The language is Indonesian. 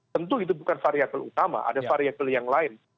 tentu itu bukan variabel utama ada variabel yang lain